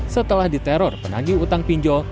setelah diteror penagi utang pinjol